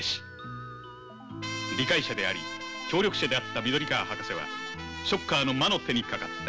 理解者であり協力者であった緑川博士はショッカーの魔の手にかかった。